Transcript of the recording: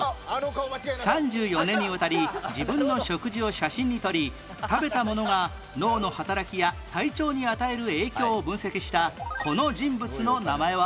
３４年にわたり自分の食事を写真に撮り食べたものが脳の働きや体調に与える影響を分析したこの人物の名前は？